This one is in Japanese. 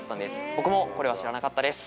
僕もこれは知らなかったです。